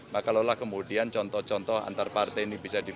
maka lolah kemudian contoh contoh antar partai ini bisa diperba